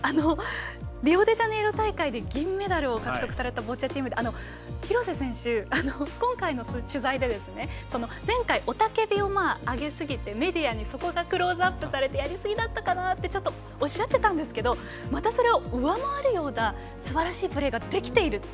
リオデジャネイロ大会で銀メダルを獲得されたボッチャチームですが廣瀬選手、今回の取材で前回、雄たけびを上げすぎでメディアにクローズアップされてやりすぎだったかなとおっしゃっていたんですがまたそれを上回るようなすばらしいプレーができている。